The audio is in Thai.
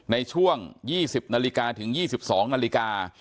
ในช่วง๒๐นาฬิกาถึง๒๒นาฬิกา